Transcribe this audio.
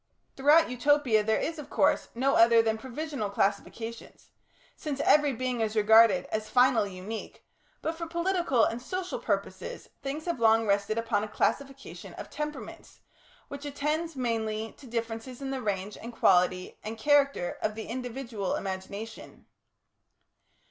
Throughout Utopia there is, of course, no other than provisional classifications, since every being is regarded as finally unique, but for political and social purposes things have long rested upon a classification of temperaments, which attends mainly to differences in the range and quality and character of the individual imagination.